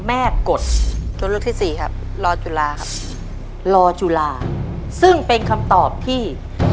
กดตัวเลือกที่สี่ครับรอจุฬาครับรอจุฬาซึ่งเป็นคำตอบที่